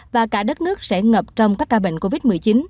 và cả đất nước sẽ ngập trong các ca bệnh covid một mươi chín